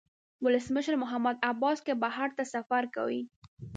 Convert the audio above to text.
ولسمشر محمود عباس که بهر ته سفر کوي.